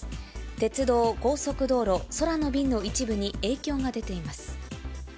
鉄道、高速道路、空の便の一部に影響が出ています。